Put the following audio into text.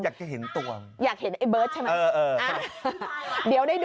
อยากจะเห็นตัว